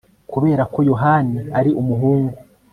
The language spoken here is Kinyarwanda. kubera ko yohani ari umuhungu